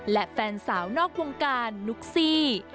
และแฟนสาวนอกวงการนุ๊กซี่